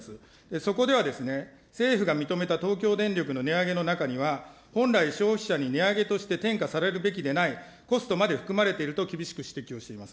そこではですね、政府が認めた東京電力の値上げの中には、本来消費者に値上げとして転嫁されるべきではない、コストまで含まれていると厳しく指摘をしております。